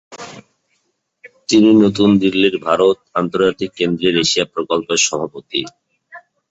তিনি নতুন দিল্লির ভারত আন্তর্জাতিক কেন্দ্রের এশিয়া প্রকল্পের সভাপতি।